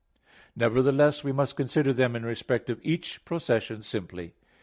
Nevertheless we must consider them in respect of each procession simply.